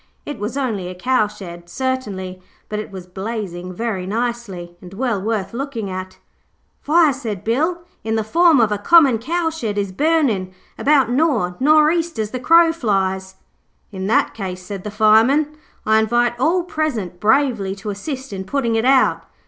It was only a cowshed, certainly, but it was blazing very nicely, and well worth looking at. 'Fire,' said Bill, 'in the form of a common cowshed, is burnin' about nor' nor' east as the crow flies.' 'In that case,' said the Fireman, 'I invite all present bravely to assist in putting it out.